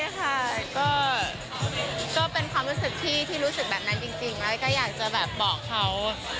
และก็อยากจะแบบบอกเขา